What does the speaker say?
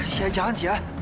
sya jangan sya